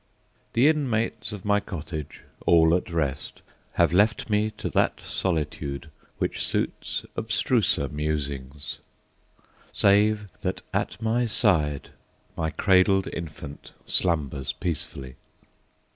The inmates of my cottage, all at rest, Have left me to that solitude, which suits Abstruser musings: save that at my side My cradled infant slumbers peacefully.